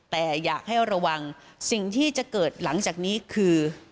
แต่อยากให้ระวังสิ่งที่จะเกิดหลังจากนี้คือ